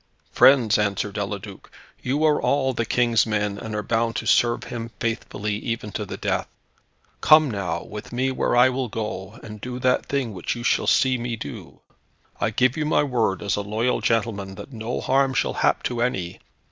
"Friends," answered Eliduc, "you are all the King's men, and are bound to serve him faithfully, even to the death. Come, now, with me where I will go, and do that thing which you shall see me do. I give you my word as a loyal gentleman, that no harm shall hap to any.